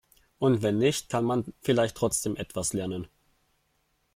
Und wenn nicht, kann man vielleicht trotzdem etwas lernen.